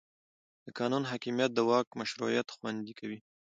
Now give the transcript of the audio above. د قانون حاکمیت د واک مشروعیت خوندي کوي